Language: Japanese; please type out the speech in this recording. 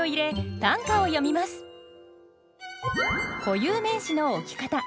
固有名詞の置き方。